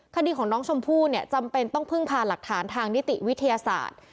คดีของน้องชมพู่เนี่ยจำเป็นต้องพึ่งพาหลักฐานทางนิติวิทยาศาสตร์